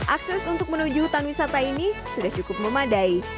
akses untuk menuju hutan wisata ini sudah cukup memadai